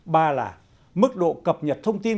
ba là mức độ cập nhật thông tin